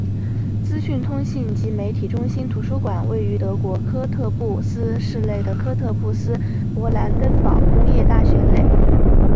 资讯通信及媒体中心图书馆位于德国科特布斯市内的科特布斯勃兰登堡工业大学内。